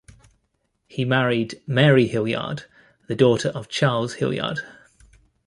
He married Mary Hillyard, the daughter of Charles Hillyard.